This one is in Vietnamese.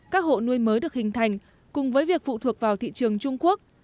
các hộ nuôi mới được hình thành cùng với việc phụ thuộc vào thị trường trung quốc